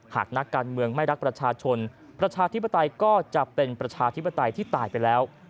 หากนักการเมืองไม่รักประชาชนประชาธิปไตยก็จะเป็นประชาธิปไตยที่ตายไปแล้ว